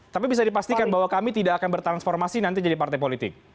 tapi bisa dipastikan bahwa kami tidak akan bertransformasi nanti jadi partai politik